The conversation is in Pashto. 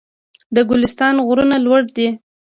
د ګلستان غرونه لوړ دي